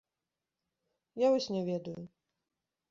Я вось не ведаю.